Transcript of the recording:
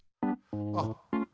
あっ！